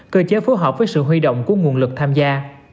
cơ chế phối hợp với sự huy động của nguồn lực tham gia